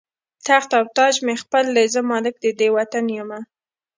تخت او تاج مې خپل دی، زه مالک د دې وطن یمه